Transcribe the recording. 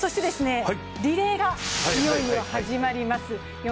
リレーがいよいよ始まります。